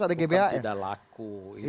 ada gba ya bukan tidak laku